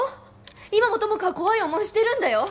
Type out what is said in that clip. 今も友果は怖い思いしてるんだよ！